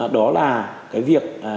đó là cái việc